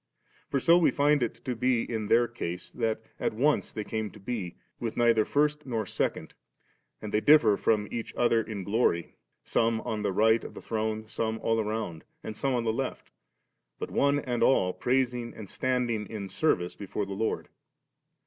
For so we find it to be in tiieir case, that at once they came to be, with neither first nor second, and they differ from each other in glory, some on the right of the throne, some all around, and some on the left, but one and all praising and standing in service before the Lord*.